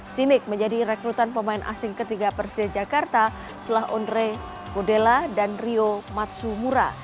simic menjadi rekrutan pemain asing ketiga persija jakarta setelah onre odela dan rio matsumura